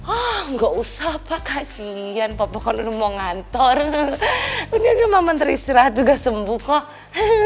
ah nggak usah pak kasihan papa kalau mau ngantor ini udah mama teristirahat juga sembuh kok hehehe